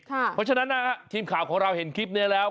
เพราะฉะนั้นนะฮะทีมข่าวของเราเห็นคลิปนี้แล้ว